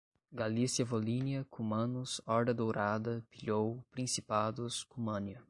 Galícia-Volínia, cumanos, Horda Dourada, pilhou, principados, Cumânia